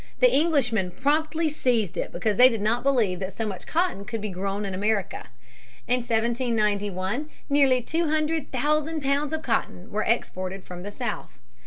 The Englishmen promptly seized it because they did not believe that so much cotton could be grown in America. In 1791 nearly two hundred thousand pounds of cotton were exported from the South.